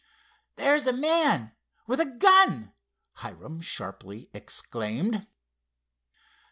"There's a man—with a gun!" Hiram sharply exclaimed.